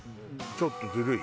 ちょっとずるい？